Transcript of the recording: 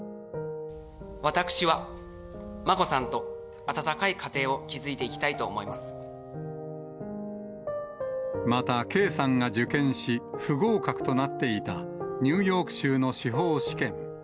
私は眞子さんと温かい家庭をまた圭さんが受験し、不合格となっていたニューヨーク州の司法試験。